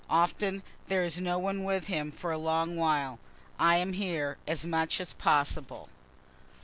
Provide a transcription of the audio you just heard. Often there is no one with him for a long while. I am here as much as possible.